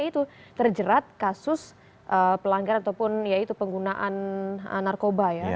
itu terjerat kasus pelanggar ataupun ya itu penggunaan narkoba ya